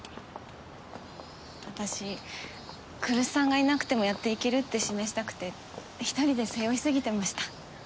私来栖さんがいなくてもやっていけるって示したくて１人で背負い過ぎてました。